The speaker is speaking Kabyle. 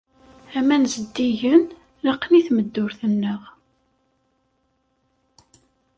Aman zeddigen laqen i tmeddurt-nneɣ.